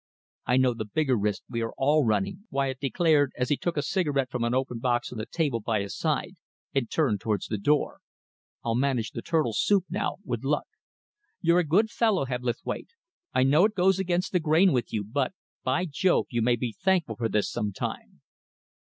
"I know the bigger risk we are all running," Wyatt declared, as he took a cigarette from an open box on the table by his side and turned towards the door. "I'll manage the turtle soup now, with luck. You're a good fellow, Hebblethwaite. I know it goes against the grain with you, but, by Jove, you may be thankful for this some time!"